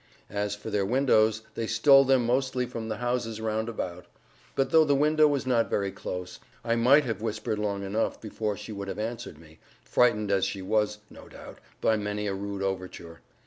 As for their windows, they stole them mostly from the houses round about. But though the window was not very close, I might have whispered long enough before she would have answered me, frightened as she was, no doubt, by many a rude overture.